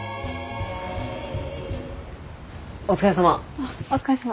お疲れさま。